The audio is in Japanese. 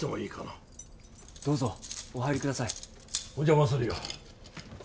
お邪魔するよ。